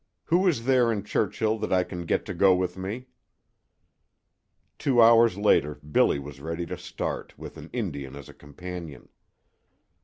"Who is there in Churchill that I can get to go with me?" Two hours later Billy was ready to start, with an Indian as a companion.